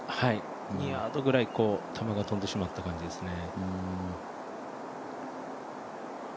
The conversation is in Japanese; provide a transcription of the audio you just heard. ２ヤードぐらい球が飛んでしまった感じですね。